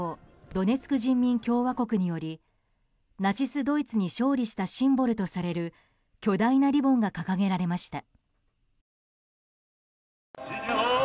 ドネツク人民共和国によりナチスドイツに勝利したシンボルとされる巨大なリボンが掲げられました。